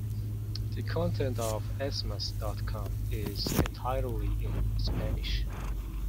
The content of esmas dot com is entirely in Spanish.